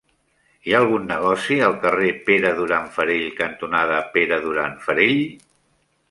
Hi ha algun negoci al carrer Pere Duran Farell cantonada Pere Duran Farell?